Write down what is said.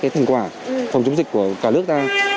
thành quả phòng chống dịch của cả nước